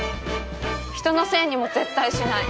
人のせいにも絶対しない。